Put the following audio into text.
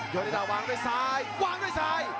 โยนิราวางด้วยซ้าย